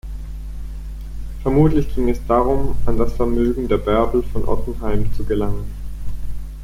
Vermutlich ging es darum, an das Vermögen der Bärbel von Ottenheim zu gelangen.